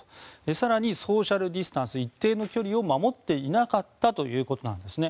更にソーシャル・ディスタンス一定の距離を守っていなかったということなんですね。